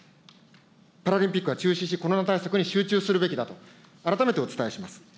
パラリンピックは中止し、コロナ対策に集中するべきだと、改めてお伝えします。